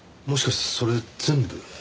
もしかしてそれ全部？